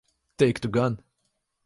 Teiktu gan.